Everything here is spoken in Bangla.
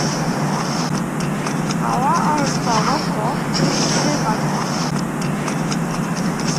আয়া ওর স্বগত উক্তির বাহন।